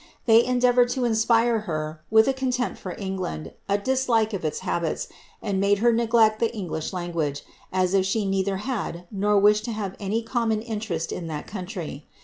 They endeavoured to inspire her with a con* tempt for England, a dislike of its habits, and made her neglect the Eng lish language, as if she neither had nor wished to have any common interest in the country.